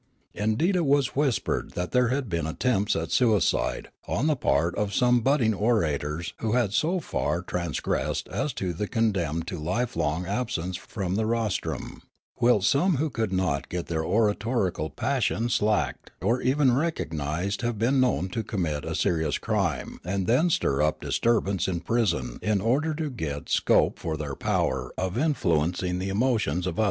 Indeed it was whispered that there had been attempts at suicide on the part of some budding orators who had so far trans gressed as to be condemned to lifelong absence from the rostrum; whilst some who could not get their oratorical passions slaked or even recognised have been known to commit a serious crime and then stir up dis turbance in prison in order to get scope for their power of influencing the emotions of others.